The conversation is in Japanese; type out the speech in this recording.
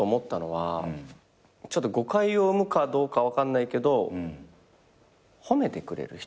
ちょっと誤解を生むかどうか分かんないけど褒めてくれる人。